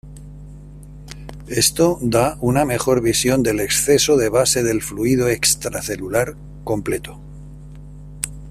Esto da una mejor visión del exceso de base del fluido extracelular completo.